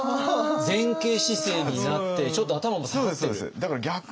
前傾姿勢になってちょっと頭も下がってる。